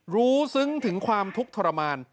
ซึ้งถึงความทุกข์ทรมาน